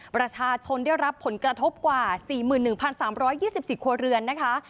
ประชาชนได้รับผลกระทบกว่า๔๑๓๒๔ครัวเรือนนะคะ